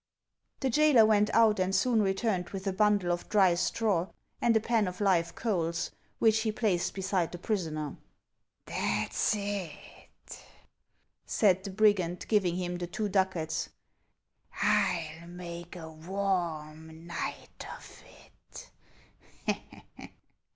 The jailer went out, and soon returned with a bundle of dry straw and a pan of live coals, which he placed beside the prisoner. " That 's it," said the brigand, giving him the two duc ats ;" I '11 make a warm night of it.